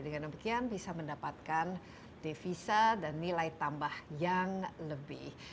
dengan demikian bisa mendapatkan devisa dan nilai tambah yang lebih